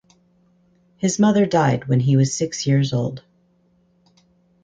His mother died when he was six years old.